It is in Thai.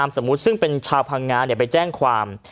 สมมุติซึ่งเป็นชาวพังงาไปแจ้งความ